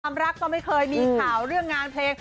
รักก็ไม่เคยมีข่าวเรื่องงานเพลง